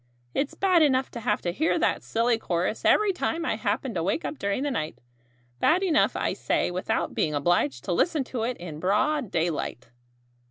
It's bad enough to have to hear that silly chorus every time I happen to wake up during the night bad enough, I say, without being obliged to listen to it in broad daylight."